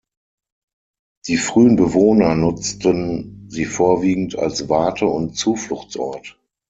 Die frühen Bewohner nutzten sie vorwiegend als Warte und Zufluchtsort.